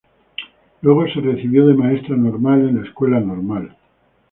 Luego se recibió de Maestra Normal en la Escuela Normal.